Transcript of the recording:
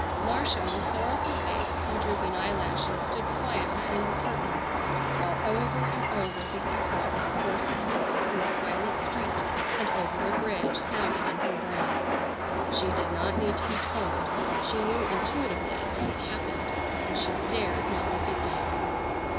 Marcia with sorrowful face and drooping eyelashes stood quiet behind the curtain, while over and over the echo of a horse's hoofs in a silent street and over a bridge sounded in her brain. She did not need to be told, she knew intuitively what had happened, and she dared not look at David.